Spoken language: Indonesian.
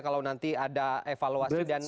kalau nanti ada evaluasi dan